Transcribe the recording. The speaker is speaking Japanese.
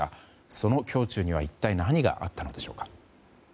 その胸中には一体何があったのでしょうか。